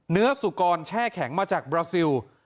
สุกรแช่แข็งมาจากบราซิล